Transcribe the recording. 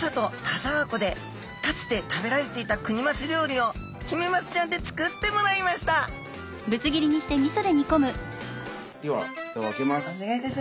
田沢湖でかつて食べられていたクニマス料理をヒメマスちゃんで作ってもらいましたではふたを開けます。